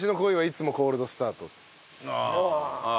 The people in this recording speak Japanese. ああ。